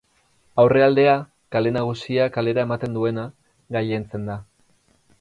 Aurrealdea, Kale Nagusia kalera ematen duena, gailentzen da.